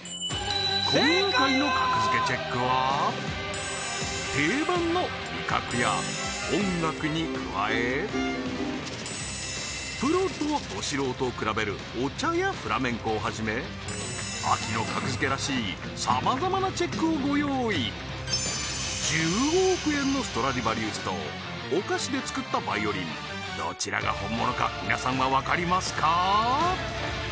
今回の格付けチェックは定番の味覚や音楽に加えプロとど素人を比べるお茶やフラメンコをはじめ秋の格付けらしいさまざまなチェックを１５億円のストラディヴァリウスとお菓子で作ったバイオリンどちらが本物か皆さんはわかりますか？